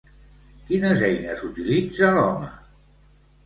Quines eines utilitza l'home?